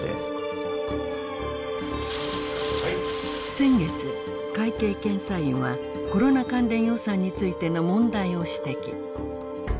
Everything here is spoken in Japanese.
先月会計検査院はコロナ関連予算についての問題を指摘。